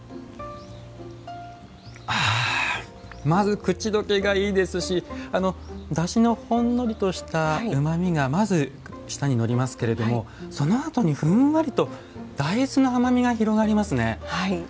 まず口溶けがいいですしだしのほんのりとしたうまみがまず舌に乗りますけれどもそのあとにふんわりと大豆の甘みが広がりますね。